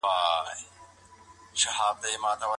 معتادان ولې خپل ژوند خرابوي؟